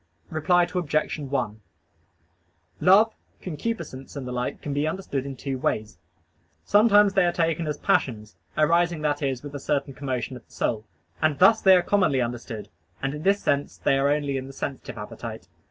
Reply Obj. 1: Love, concupiscence, and the like can be understood in two ways. Sometimes they are taken as passions arising, that is, with a certain commotion of the soul. And thus they are commonly understood, and in this sense they are only in the sensitive appetite.